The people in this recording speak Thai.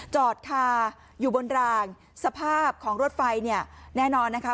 จอดคาอยู่บนรางสภาพของรถไฟเนี่ยแน่นอนนะคะ